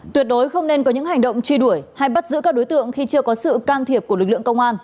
tuyệt đối không nên có những hành động truy đuổi hay bắt giữ các đối tượng khi chưa có sự can thiệp của lực lượng công an